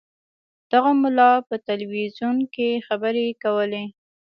دغه ملا په تلویزیون کې خبرې کولې.